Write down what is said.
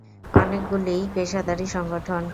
অনেকগুলিই পেশাদারী সংগঠন।